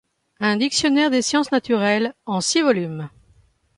un dictionnaire des sciences naturelles, en six volumes.